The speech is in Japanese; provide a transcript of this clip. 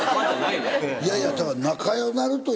いやいやだから。